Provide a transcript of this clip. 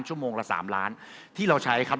ชั่วโมงละ๓ล้านที่เราใช้ครับ